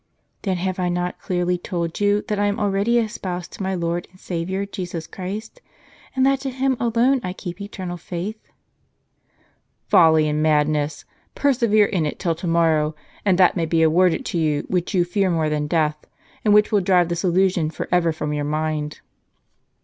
"Then have I not clearly told you that I am already espoused to my Lord and Saviour Jesus Christ, and that to Him alone I keep eternal faith ?" "Folly and madness! Persevere in it till to morrow, and that may be awarded to you which you fear more than death, and which will drive this illusion forever from your mind."